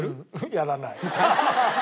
やらない。